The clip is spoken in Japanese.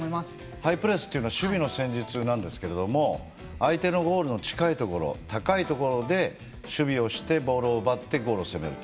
ハイプレスというのは守備の戦術なんですけれども相手のゴールの近いところ高いところで守備をしてボールを奪ってゴールを攻める。